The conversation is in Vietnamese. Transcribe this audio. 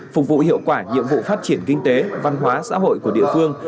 phục vụ hiệu quả nhiệm vụ phát triển kinh tế văn hóa xã hội của địa phương